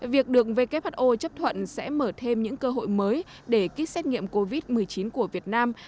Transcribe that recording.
việc được who chấp thuận sẽ mở thêm những cơ hội mới để kích xét nghiệm covid một mươi chín của việt nam